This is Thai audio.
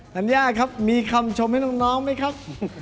ัญญาครับมีคำชมให้น้องไหมครับ